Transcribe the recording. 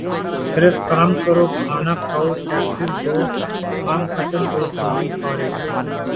صرف کام کرو کھانا کھاؤ ٹیکس دو کام ختم اور ہم بھی فارخ